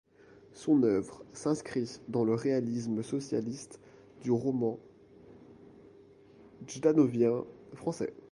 Son œuvre s'inscrit dans le réalisme socialiste du roman jdanovien français.